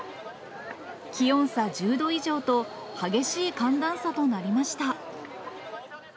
気温差１０度以上と、激しい寒暖差となりました。